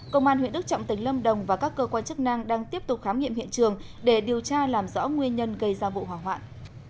công an huyện đức trọng tỉnh lâm đồng và các cơ quan chức năng đang tiếp tục khám nghiệm hiện trường để điều tra làm rõ nguyên nhân gây ra vụ hỏa hoạn